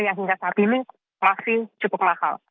yang hingga saat ini masih cukup lahal